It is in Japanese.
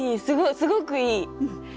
すごくいい。